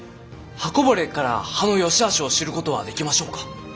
刃こぼれから刀の善しあしを知ることはできましょうか？